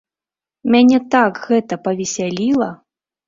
Мяне так гэта павесяліла!